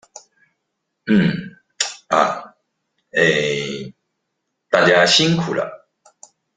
嗯、啊、欸。大家辛苦了